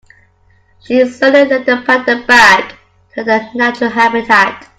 She slowly led the panda back to her natural habitat.